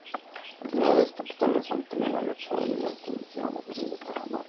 Las ciudades-capitales Song tenían abiertas avenidas que permitieron la creación de tajamares.